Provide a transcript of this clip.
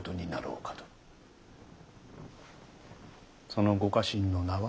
そのご家臣の名は？